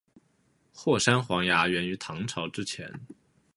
霍山黄芽源于唐朝之前。